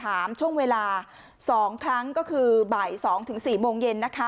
ช่วงเวลา๒ครั้งก็คือบ่าย๒๔โมงเย็นนะคะ